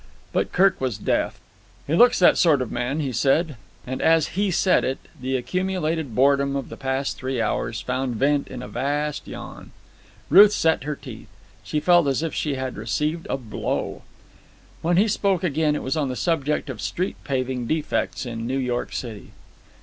But Kirk was deaf. "He looks that sort of man," he said. And, as he said it, the accumulated boredom of the past three hours found vent in a vast yawn. Ruth set her teeth. She felt as if she had received a blow. When he spoke again it was on the subject of street paving defects in New York City.